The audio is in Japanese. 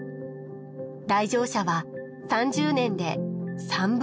来場者は３０年で３分の２に。